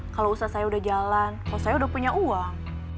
kalau usaha saya udah jalan oh saya udah punya uang